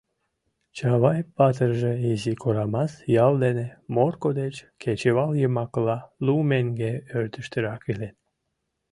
Чавай-патырже Изи Корамас ял дене, Морко деч кечывал йымакыла лу меҥге ӧрдыжтырак, илен.